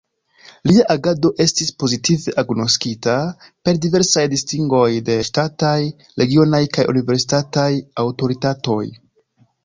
Lia agado estis pozitive agnoskita per diversaj distingoj de ŝtataj, regionaj kaj universitataj aŭtoritatoj.